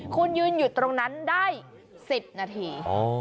คุณยืนอยู่ตรงนั้นได้๑๐นาที